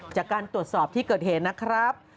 จากการตรวจสอบที่เกิดเหตุนะครับ